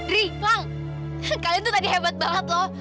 ri lang kalian tuh tadi hebat banget lo